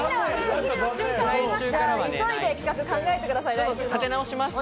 急いで企画を考えてください。